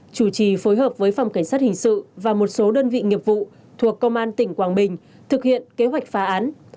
chủ trì phối hợp với phòng cảnh sát hình sự và một số đơn vị nghiệp vụ thuộc công an tỉnh quảng bình thực hiện kế hoạch phá án